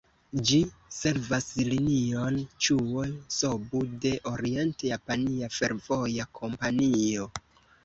Ĝi servas Linion Ĉuo-Sobu de Orient-Japania Fervoja Kompanio.